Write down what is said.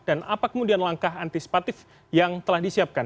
dan apa kemudian langkah antisipatif yang telah disiapkan